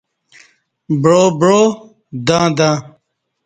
بعا بعا دں دں